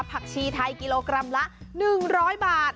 ผักชีไทยกิโลกรัมละ๑๐๐บาท